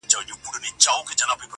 له بارونو له زخمونو له ترټلو -